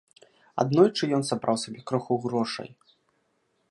Аднойчы ён сабраў сабе крыху грошай.